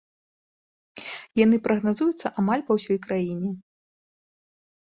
Яны прагназуюцца амаль па ўсёй краіне.